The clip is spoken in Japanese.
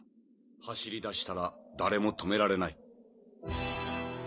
走りだしたら誰も止められない。